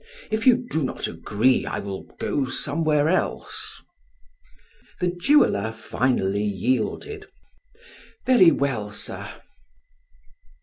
If you do not agree, I will go somewhere else." The jeweler finally yielded. "Very well, sir."